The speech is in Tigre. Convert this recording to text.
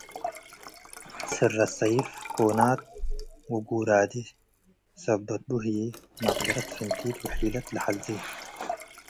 ስረት ሰይፍ፡ ኮናት ወጉራዴ ሰበት ቡ ህዬ መቅደረት ፍንቲት ወሒለት ለሐዜ ።